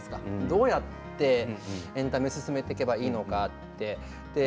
どうやってエンタメを進めていけばいいのかって。